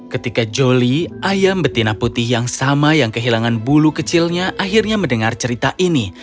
ketika joli ayam betina putih yang sama yang kehilangan bulu kecilnya akhirnya mendengar cerita ini